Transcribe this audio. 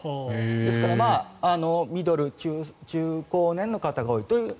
ですから、ミドル中高年の方が多いと。